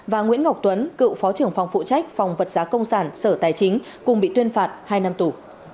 và nguyễn ngọc tuấn cựu phó trưởng phòng phụ trách phòng vật giá công sản sở tài chính cùng bị tuyên phạt hai năm tù